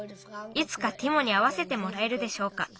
いつかティモにあわせてもらえるでしょうか。